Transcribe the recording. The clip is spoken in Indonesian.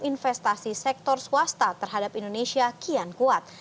investasi sektor swasta terhadap indonesia kian kuat